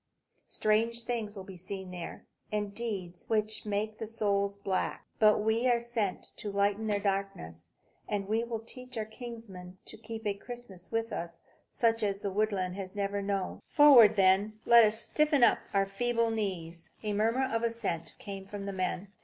Strange things will be seen there, and deeds which make the soul black. But we are sent to lighten their darkness; and we will teach our kinsmen to keep a Christmas with us such as the woodland has never known. Forward, then, and let us stiffen up our feeble knees!" A murmur of assent came from the men.